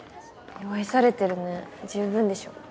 愛されてるね十分でしょう。